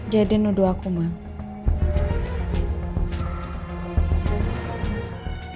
jadi nuduh aku mak